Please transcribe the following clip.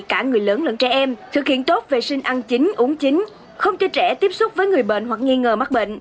cả người lớn lẫn trẻ em thực hiện tốt vệ sinh ăn chính uống chính không cho trẻ tiếp xúc với người bệnh hoặc nghi ngờ mắc bệnh